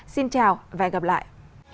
xin chào và hẹn gặp lại